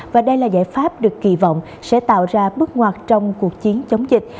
và đây là giải pháp được kỳ vọng sẽ tạo ra bước ngoặt trong cuộc chiến chống dịch